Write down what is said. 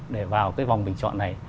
để vào cái vòng bình chọn này